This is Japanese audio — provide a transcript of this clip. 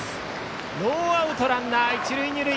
ノーアウトランナー、一塁二塁。